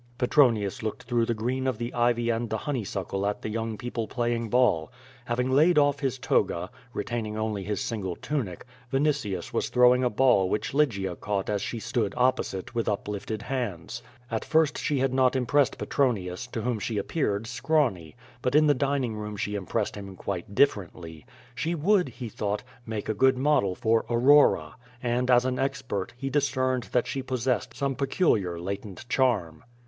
Petronius looked through the green of the ivy and the honeysuckle at the young people playing ball. Having laid off his toga, retaining only his single tunic, Vinitius was throwing a ball which Lygia caught as she stood opposite, with uplifted hands. At first she had not impressed Petron ius, to whom she appeared scrawny. But in the dining room, she impressed him quite differently. She would, he thought, make a good model for Aurora, and, as an expert, he dis cerned that she possessed some peculiar latent charm.